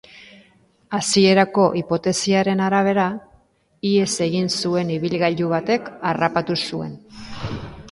Hasierako hipotesiaren arabera, ihes egin zuen ibilgailu batek harrapatu zuen.